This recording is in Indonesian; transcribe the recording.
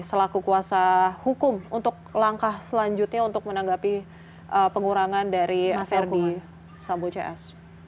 selaku kuasa hukum untuk langkah selanjutnya untuk menanggapi pengurangan dari aser di sambu cs